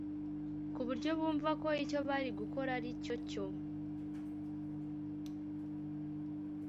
ku buryo bumva ko icyo bari gukora aricyo cyo”